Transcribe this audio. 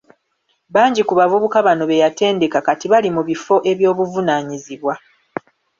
Bangi ku bavubuka bano beyatendeka kati bali mu bifo eby’obuvunaanyizibwa.